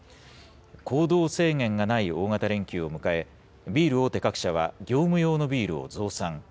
行動制限がない大型連休を迎え、ビール大手各社は業務用のビールを増産。